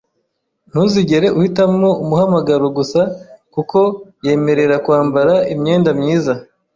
Ntuzigere uhitamo umuhamagaro gusa kuko yemerera kwambara imyenda myiza.